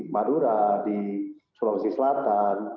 madura di sulawesi selatan